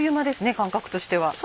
感覚としては。